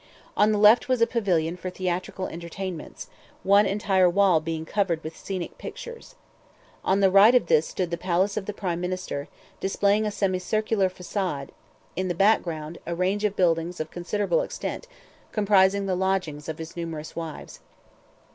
On the left was a pavilion for theatrical entertainments, one entire wall being covered with scenic pictures. On the right of this stood the palace of the Prime Minister, displaying a semicircular façade; in the background a range of buildings of considerable extent, comprising the lodgings of his numerous wives.